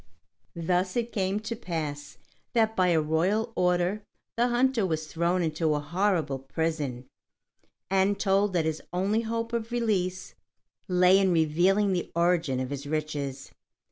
Thus it came to pass that by a royal order the hunter was thrown into a horrible prison, and told that his only hope of release lay in revealing the origin of his riches.